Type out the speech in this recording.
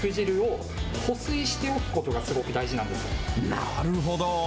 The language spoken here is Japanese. なるほど。